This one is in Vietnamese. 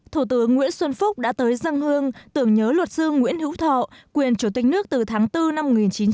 thủ tướng nguyễn xuân phúc đã tới dân hương tưởng nhớ luật sư nguyễn hữu thọ quyền chủ tịch nước từ tháng bốn năm một nghìn chín trăm bảy mươi